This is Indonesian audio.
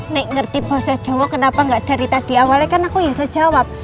nek ngerti bahasa jawa kenapa gak dari tadi awalnya kan aku bisa jawab